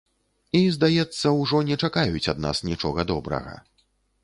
І, здаецца, ужо не чакаюць ад нас нічога добрага.